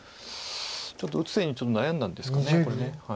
ちょっと打つ手に悩んだんですかねこれ。